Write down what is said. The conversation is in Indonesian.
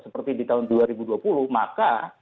seperti di tahun dua ribu dua puluh maka